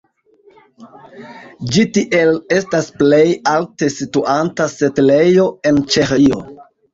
Ĝi tiel estas plej alte situanta setlejo en Ĉeĥio.